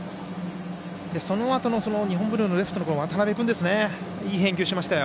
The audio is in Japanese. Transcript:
そのあとの日本文理のレフトの渡邊君ですねいい返球しましたよ。